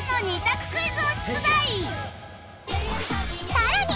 さらに